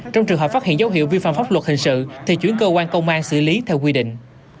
trong trường hợp phát hiện dấu hiệu vi phạm pháp luật hình sự thì chuyển cơ quan công an xử lý theo quy định